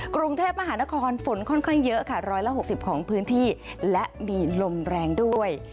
กรุงเทพมหานครฝนค่อนข้างเยอะค่ะ๑๖๐ของพื้นที่และมีลมแรงด้วย